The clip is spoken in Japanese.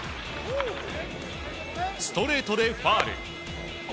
ストレートでファウル。